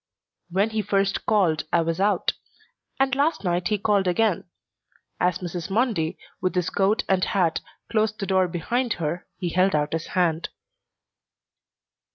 When he first called I was out, and last night he called again. As Mrs. Mundy, with his coat and hat, closed the door behind her, he held out his hand.